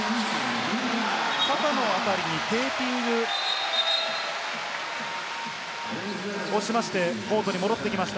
肩の辺りにテーピングをしまして、コートに戻ってきました